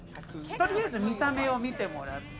とりあえず見た目を見てもらって。